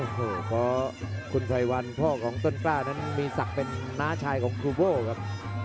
โอ้โหเพราะคุณไพรวันพ่อของต้นกล้านั้นมีศักดิ์เป็นน้าชายของครูโบ้ครับ